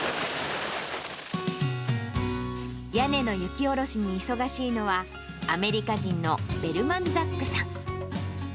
屋根の雪下ろしに忙しいのは、アメリカ人のベルマン・ザックさん。